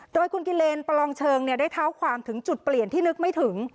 โดยคุณกิเลนประลองเชิงได้เท้าความถึงจุดเปลี่ยนที่นึกไม่ถึง